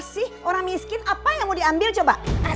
sampai jumpa di video selanjutnya